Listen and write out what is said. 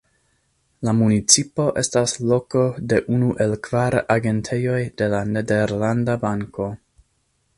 La municipo estas loko de unu el kvar agentejoj de La Nederlanda Banko.